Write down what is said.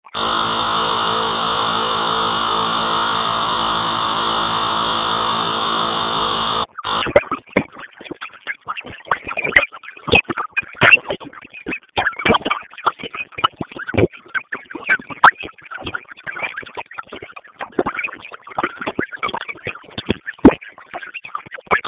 دا د چارواکو له هدایاتو څخه عبارت دی.